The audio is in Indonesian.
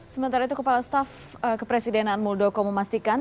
sementara itu kepala staf kepresidenan muldoko memastikan